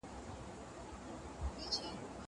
ډیوو ته څه اړتیا ده ډیوې مه بلوۍ نن